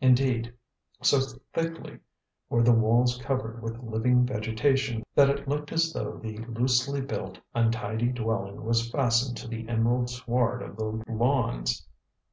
Indeed, so thickly were the walls covered with living vegetation, that it looked as though the loosely built, untidy dwelling was fastened to the emerald sward of the lawns.